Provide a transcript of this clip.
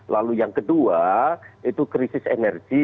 lalu yang kedua itu krisis energi